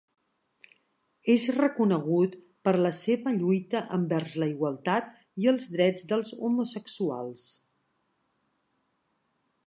És reconegut per la seva lluita envers la igualtat i els drets dels homosexuals.